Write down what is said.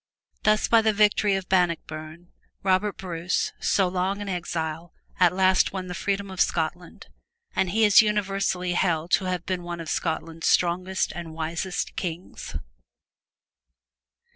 Thus by the victory of Bannockburn, Robert Bruce, so long an exile, at last won the freedom of Scotland, and he is universally held to have been one of Scotland's strongest and wisest kings.